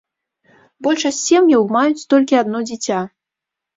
Большасць сем'яў маюць толькі адно дзіця.